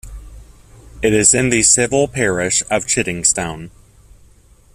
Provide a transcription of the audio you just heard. It is in the civil parish of Chiddingstone.